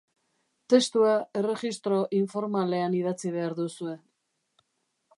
Testua erregistro informalean idatzi behar duzue.